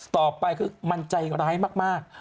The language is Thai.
ต่อไปคือมันใจร้ายมาก